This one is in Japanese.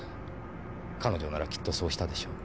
彼女ならきっとそうしたでしょう。